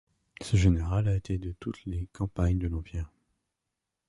Ce général a été de toutes les campagnes de l'Empire.